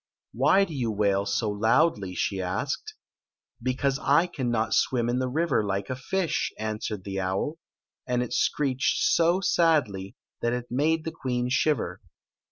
"Why do you wail so loudly?" she asked " Because I cannot swim in the river like a fish," answeSfc the owl, and it screeched so sadly that it made the queen shiver.